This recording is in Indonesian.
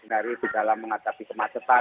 dari di dalam menghadapi kemacetan